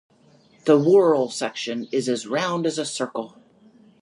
The whorl section is as round as a circle.